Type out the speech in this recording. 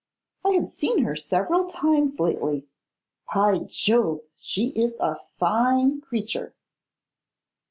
I have seen her several times lately. By Jove, she is a fine creature!